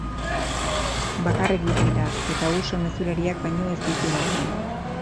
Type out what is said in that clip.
Bakarrik bizi da, eta uso mezulariak baino ez ditu lagun.